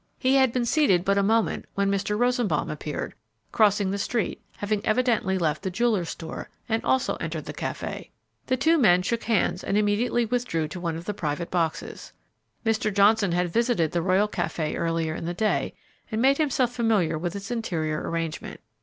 He had been seated but a moment when Mr. Rosenbaum appeared, crossing the street, having evidently left the jeweller's store, and also entered the café. The two men shook hands and immediately withdrew to one of the private boxes. Mr. Johnson had visited the Royal Café earlier in the day and made himself familiar with its interior arrangement.